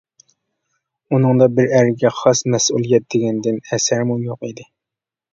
ئۇنىڭدا بىر ئەرگە خاس مەسئۇلىيەت دېگەندىن ئەسەرمۇ يوق ئىدى.